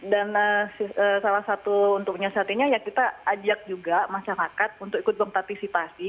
dan salah satu untuk menyiasatinya ya kita ajak juga masyarakat untuk ikut berpartisipasi